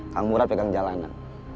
kang murad pegang jalanan